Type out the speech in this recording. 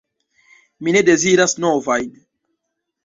Mi ne deziras novajn.